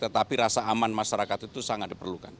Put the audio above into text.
tetapi rasa aman masyarakat itu sangat diperlukan